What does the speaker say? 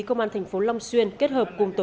công an tp long xuyên kết hợp cùng tổ công tác